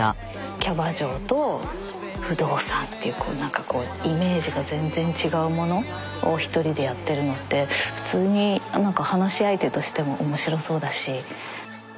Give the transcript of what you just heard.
キャバ嬢と不動産っていう何かこうイメージが全然違うものを１人でやってるのって普通に何か話し相手としても面白そうだし。